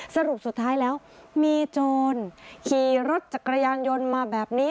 สรุปสุดท้ายแล้วมีโจรขี่รถจักรยานยนต์มาแบบนี้